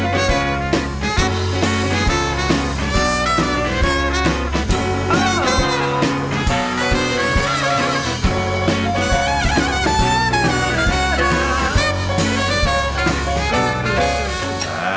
ด้านหมี่ร่วมเรียบร้อยแล้วค่ะเลือดเสร็จเลือดหมู